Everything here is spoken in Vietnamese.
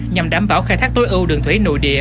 nhằm đảm bảo khai thác tối ưu đường thủy nội địa